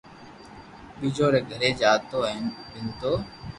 ڀيجو ري گھري جاتو ھين پينتو